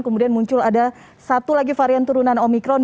kemudian muncul ada satu lagi varian turunan omikron